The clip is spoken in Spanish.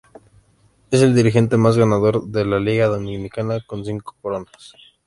Es el dirigente más ganador de la "Liga Dominicana" con cinco coronas.